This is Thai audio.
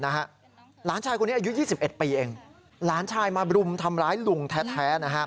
หลานชายคนนี้อายุ๒๑ปีเองหลานชายมาบรุมทำร้ายลุงแท้